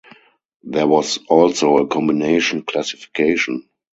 There was also a combination classification.